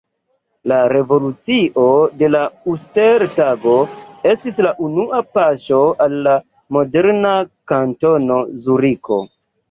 La revolucio de la Uster-Tago estis la unua paŝo al la moderna Kantono Zuriko.